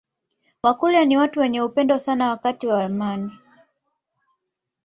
Wakurya ni watu wenye upendo sana wakati wa amani